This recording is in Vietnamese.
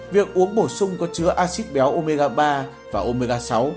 việc uống bổ sung có chứa acid béo omega ba và omega sáu